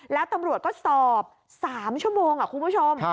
แล้วตำรวจก็สอบ๓ชั่วโมงคุณผู้ชม